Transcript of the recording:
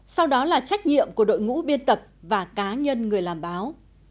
sau đó là trách nhiệm của đội ngũ biên tập và cá nhân người làm báo